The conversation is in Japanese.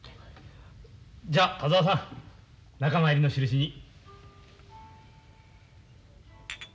じゃあ田沢さん仲間入りのしるしに。